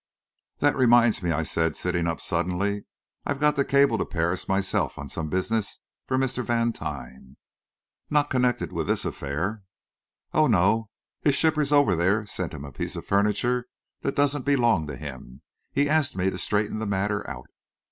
"That reminds me," I said, sitting up suddenly, "I've got to cable to Paris myself, on some business for Mr. Vantine." "Not connected with this affair?" "Oh, no; his shippers over there sent him a piece of furniture that doesn't belong to him. He asked me to straighten the matter out."